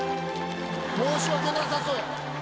申し訳なさそうやな。